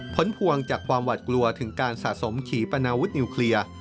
พวงจากความหวัดกลัวถึงการสะสมขี่ปนาวุฒนิวเคลียร์